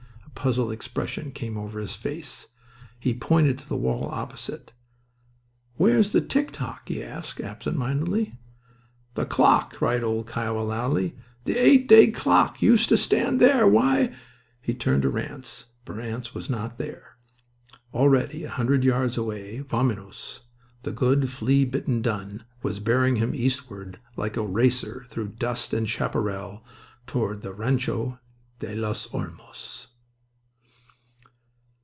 A puzzled expression came over his face. He pointed to the wall opposite. "Where's the tick tock?" he asked, absent mindedly. "The clock," cried old "Kiowa" loudly. "The eight day clock used to stand there. Why—" He turned to Ranse, but Ranse was not there. Already a hundred yards away, Vaminos, the good flea bitten dun, was bearing him eastward like a racer through dust and chaparral towards the Rancho de los Olmos.